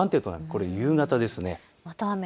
これ夕方です。